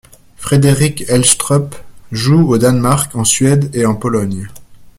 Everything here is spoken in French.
Frederik Helstrup joue au Danemark, en Suède et en Pologne.